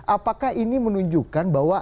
apakah ini menunjukkan bahwa